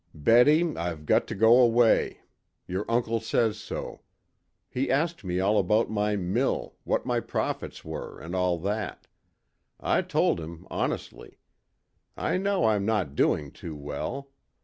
"Betty, I've got to go away. Your uncle says so. He asked me all about my mill, what my profits were, and all that. I told him honestly. I know I'm not doing too well.